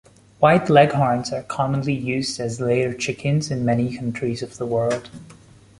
White Leghorns are commonly used as layer chickens in many countries of the world.